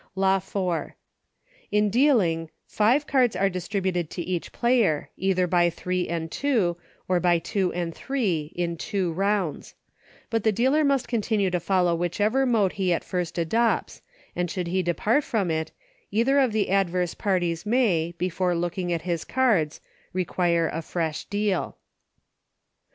Law IV. In dealing, five cards are distributed to each player, either by three and two, or by two and three, in two rounds ; but the dealer must continue to follow whichever mode he at first adopts, and should he depart from it, either of the adverse parties may, before looking at his cards, require a fresh deal.